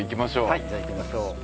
はいじゃあ行きましょう。